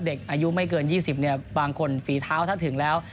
เด็กอายุไม่เกิน๒๐เนี่ยบางคนฝีเท้าถ้าถึงแล้ว